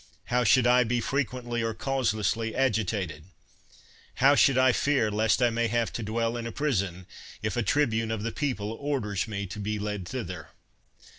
How should I be frequently or causlessly agitated? How should I fear lest I may have to dwell in a prison, if a tribune of the people orders me to be led thither?